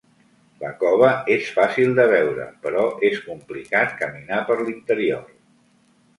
La cova és fàcil de veure, però és complicat caminar per l'interior.